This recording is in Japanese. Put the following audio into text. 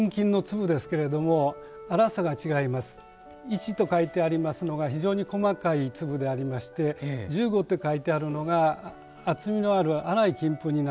一と書いてありますのが非常に細かい粒でありまして十五って書いてあるのが厚みのある粗い金粉になってまいります。